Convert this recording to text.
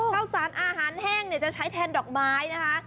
ข้าวสารอาหารแห้งจะใช้แทนดอกไม้นะคะ